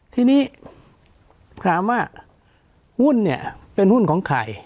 ทีนี้ถามว่าหุ้นเนี่ยเป็นหุ้นของใคร